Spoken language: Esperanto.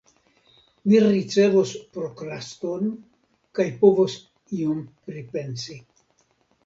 Mi ricevos prokraston, kaj povos iom pripensi.